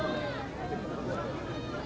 setelah nanti lebaran